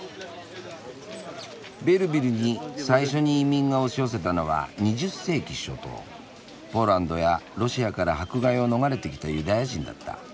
「ベルヴィルに最初に移民が押し寄せたのは２０世紀初頭ポーランドやロシアから迫害を逃れてきたユダヤ人だった。